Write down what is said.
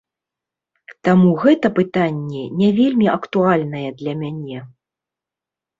Таму гэта пытанне не вельмі актуальнае для мяне.